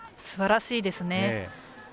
すばらしいですね。